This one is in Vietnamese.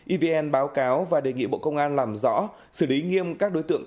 evn báo cáo và đề nghị bộ công an làm rõ xử lý nghiêm các đối tượng